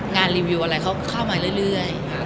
งานรีวิวอะไรเข้ามาเรื่อย